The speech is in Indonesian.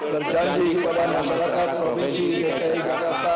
berjanji kepada masyarakat provinsi dki jakarta